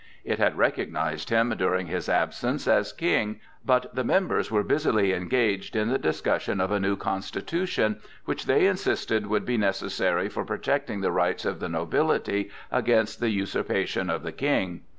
It had recognized him, during his absence, as King, but the members were busily engaged in the discussion of a new constitution, which they insisted would be necessary for protecting the rights of the nobility against the usurpation of the King.